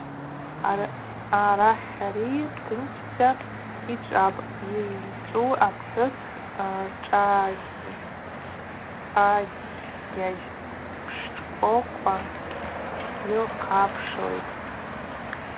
Арахьари тынчдза йчӏвапӏ, йызчӏву апхӏвыс шӏахъагьажь пшкӏвокӏва йылхъапшылитӏ.